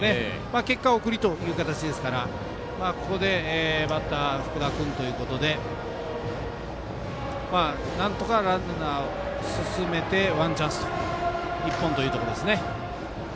結果、送りという形ですからバッター、福田君ということでなんとかランナー進めてワンチャンス１本というところですね。